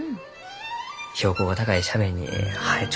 標高が高い斜面に生えちょったそうじゃ。